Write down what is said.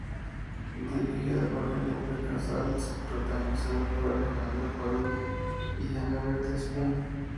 Dirigida por Felipe Cazals, protagonizada por Alejandro Parodi y Ana Bertha Espín.